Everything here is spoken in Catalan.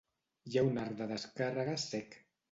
Hi ha un arc de descàrrega cec.